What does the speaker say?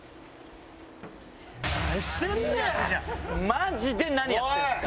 マジで何やってんすか。